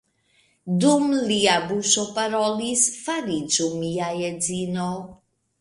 Dum lia buŝo parolis: fariĝu mia edzino!